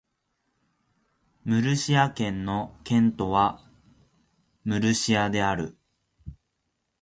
ムルシア県の県都はムルシアである